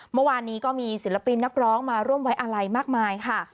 เมื่อวานนี้ก็มีศิลปินนักร้องมาร่วมไว้อาลัยมากมายค่ะ